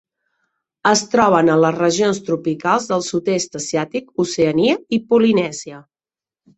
Es troben a les regions tropicals del sud-est asiàtic, Oceania i Polinèsia.